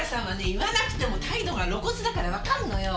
言わなくても態度が露骨だからわかるのよ。